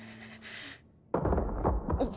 ・あっ。